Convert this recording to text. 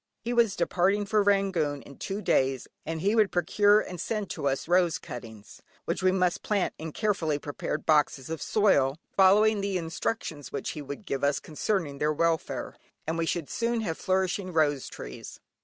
He was departing for Rangoon in two days, and he would there procure and send to us rose cuttings, which we must plant in carefully prepared boxes of soil, follow the instructions which he would give us concerning their welfare, and we should soon have flourishing rose trees.